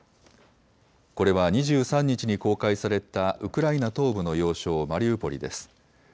これは２３日に公開されたウクライナ東部の要衝マリウポリです。